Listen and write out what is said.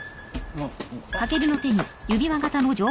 あっ。